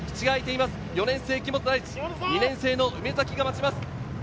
４年生・木本大地、２年生・梅崎が待ちます。